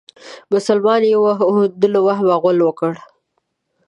مسلمان يې واهه هندو له وهمه غول وکړه.